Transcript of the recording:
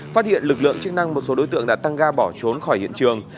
phát hiện lực lượng chức năng một số đối tượng đã tăng ga bỏ trốn khỏi hiện trường